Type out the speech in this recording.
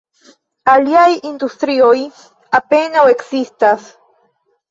Aliaj industrioj apenaŭ ekzistas.